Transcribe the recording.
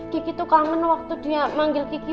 kiki tuh kangen waktu dia manggil kiki